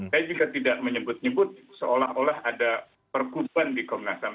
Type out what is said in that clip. dan jika tidak menyebut nyebut seolah olah ada perkutuan di komnas ham